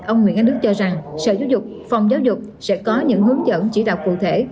ông nguyễn anh đức cho rằng sở giáo dục phòng giáo dục sẽ có những hướng dẫn chỉ đạo cụ thể